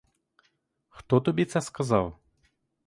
Хто тобі це сказав?